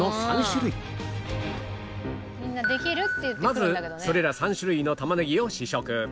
まずそれら３種類の玉ねぎを試食